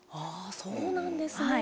そうなんですね。